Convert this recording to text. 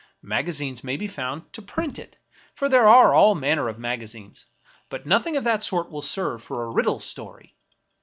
Maga zines may be found to print it — for there are all manner of magazines ; but nothing of that sort will serve for a riddle story.